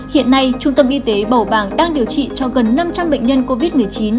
hiện nay trung tâm y tế bào bàng đang điều trị cho gần năm trăm linh bệnh nhân covid một mươi chín